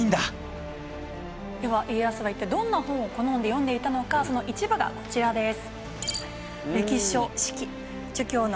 では家康が一体どんな本を好んで読んでいたのかその一部がこちらです。